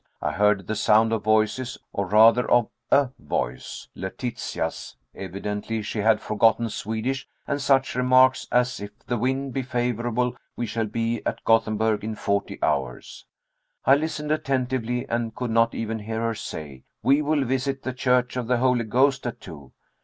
I heard the sound of voices, or rather of a voice Letitia's! Evidently she had forgotten Swedish, and such remarks as "If the wind be favorable, we shall be at Gothenburg in forty hours." I listened attentively, and could not even hear her say "We will visit the Church of the Holy Ghost at two."